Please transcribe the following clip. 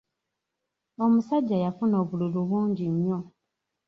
Omusajja yafuna obululu bungi nnyo.